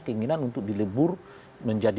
keinginan untuk dilebur menjadi